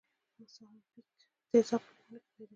د سکاربیک تیزاب په لیمو کې پیداکیږي.